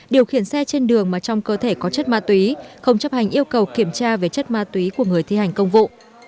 điều khiển xe trên đường mà trong cơ thể có chất ma túy không chấp hành yêu cầu kiểm tra về chất ma túy của người thi hành công vụ